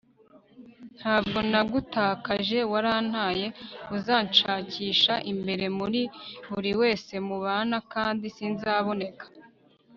ntabwo nagutakaje, warantaye uzanshakisha imbere muri buri wese mubana kandi sinzaboneka